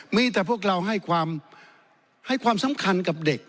มีแต่พวกเราให้ความสำคัญกับเด็ก